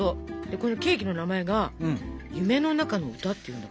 このケーキの名前が「夢の中の歌」っていうんだ。